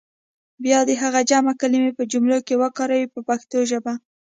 بیا دې هغه جمع کلمې په جملو کې وکاروي په پښتو ژبه.